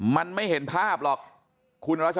มันไม่เห็นภาพหรอกคุณรัช